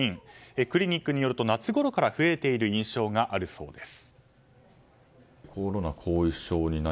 クリニックによると夏ごろから増えている印象があるそうです。